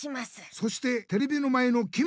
そしてテレビの前のきみ！